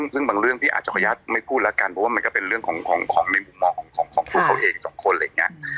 ซึ่งบางเรื่องพี่อาจจะขออนุญาตไม่พูดแล้วกันเพราะว่ามันก็เป็นเรื่องของในมุมมองของตัวเขาเองสองคนอะไรอย่างนี้